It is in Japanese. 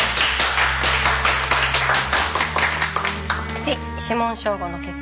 はい指紋照合の結果。